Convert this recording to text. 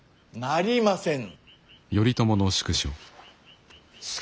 なりませぬ。